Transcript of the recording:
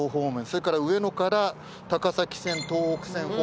それから上野から高崎線東北線方面。